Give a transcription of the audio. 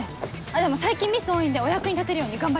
でも最近ミス多いんでお役に立てるように頑張ります。